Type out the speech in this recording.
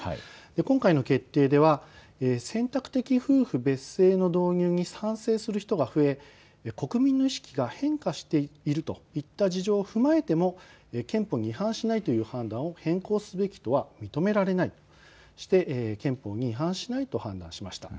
今回の決定では選択的夫婦別姓の導入に賛成する人が増え国民の意識が変化しているといった事情を踏まえても憲法に違反しないという判断を変更すべきとは認められないとして憲法に違反しないと判断しました。